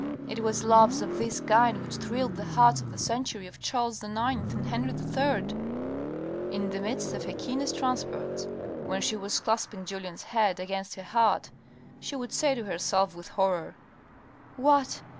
It was loves of this kind which thrilled the hearts of the century of Charles IX. and Henri III." In the midst of her keenest transports, when she was clasp ing Julien's head against her heart, she would say to herself with horror, " What